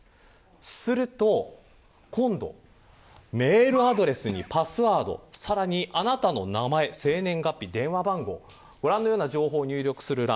すると今度、メールアドレスにパスワードさらに、あなたの名前生年月日、電話番号ご覧のような情報を入力する欄。